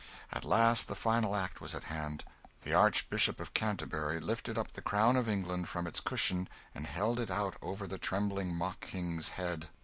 At last the final act was at hand. The Archbishop of Canterbury lifted up the crown of England from its cushion and held it out over the trembling mock King's head.